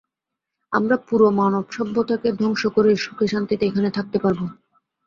আমরা পুরো মানবসভ্যতাকে ধ্বংস করে, সুখে শান্তিতে এখানে থাকতে পারবো।